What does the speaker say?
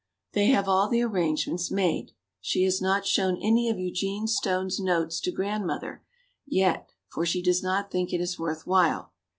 They have all the arrangements made. She has not shown any of Eugene Stone's notes to Grandmother yet for she does not think it is worth while.